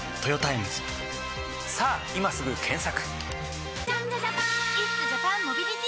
さぁ今すぐ検索！